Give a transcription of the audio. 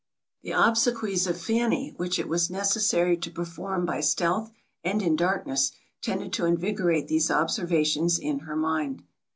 The obsequies of Fanny, which it was necessary to perform by stealth and in darkness, tended to invigorate these observations in her mind.